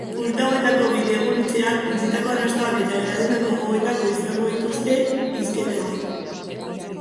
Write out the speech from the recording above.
Urte hauetako bidegurutzeak utzitako arrastoak eta eragindako gogoetak izango dituzte hizketagai.